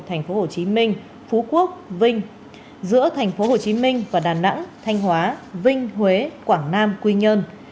tp hcm phú quốc vinh giữa tp hcm và đà nẵng thanh hóa vinh huế quảng nam quy nhơn